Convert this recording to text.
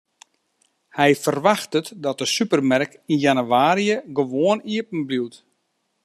Hy ferwachtet dat de supermerk yn jannewaarje gewoan iepenbliuwt.